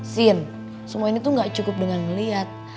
sin semua ini tuh gak cukup dengan ngeliat